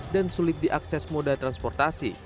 dan sulit diakses moda transportasi